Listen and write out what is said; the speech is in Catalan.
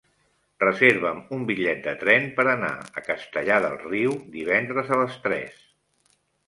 Reserva'm un bitllet de tren per anar a Castellar del Riu divendres a les tres.